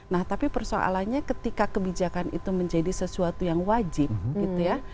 nah tapi persoalannya ketika kebijakan itu menjadi sesuatu yang wajib gitu ya